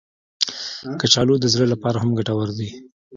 کچالو د زړه لپاره هم ګټور دي